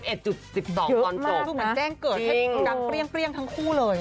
คือมันแจ้งเกิดให้ดังเปรี้ยงทั้งคู่เลย